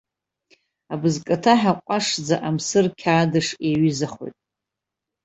Абызкаҭаҳа ҟәашӡа, амсыр қьаадыш иаҩызахоит.